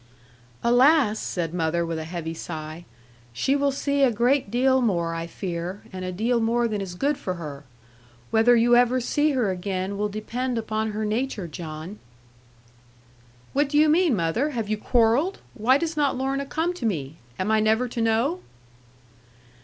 'Alas!' said mother with a heavy sigh; 'she will see a great deal more, I fear; and a deal more than is good for her. Whether you ever see her again will depend upon her nature, John.' 'What do you mean, mother? Have you quarrelled? Why does not Lorna come to me? Am I never to know?'